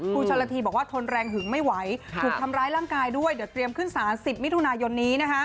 ชนละทีบอกว่าทนแรงหึงไม่ไหวถูกทำร้ายร่างกายด้วยเดี๋ยวเตรียมขึ้นสาร๑๐มิถุนายนนี้